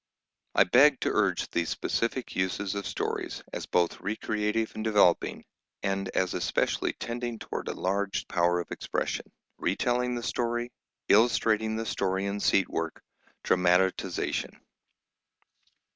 I beg to urge these specific uses of stories, as both recreative and developing, and as especially tending toward enlarged power of expression: retelling the story; illustrating the story in seat work; dramatisation.